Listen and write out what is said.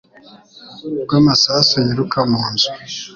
rw'amasasu yiruka mu nzu